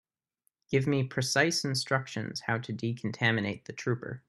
Give me precise instructions how to decontaminate the trooper.